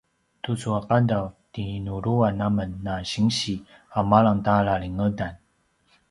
tucu a qadav tinuluan amen na sinsi a malang ta lalingedan